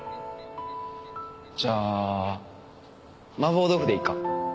じゃあ麻婆豆腐でいいか？